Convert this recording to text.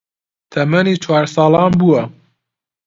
تەمەنی چوار ساڵان بووە